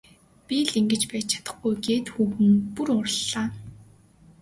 Би л ингэж байж чадахгүй гээд хүүхэн бүр уурлажээ.